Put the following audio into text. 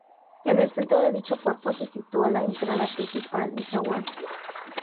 En el centro de dicho cuerpo se sitúa la entrada principal y zaguán.